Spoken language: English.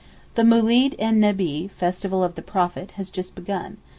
The Moolid en Nebbee (Festival of the Prophet) has just begun.